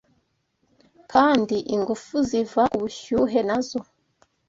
kandi ingufu ziva ku bushyuhe nazo